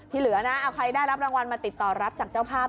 เหลือนะเอาใครได้รับรางวัลมาติดต่อรับจากเจ้าภาพ